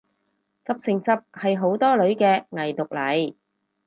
十成十係好多女嘅偽毒嚟